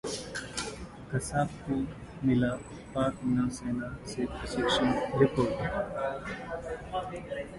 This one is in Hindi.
कसाब को मिला पाक नौसेना से प्रशिक्षण: रिपोर्ट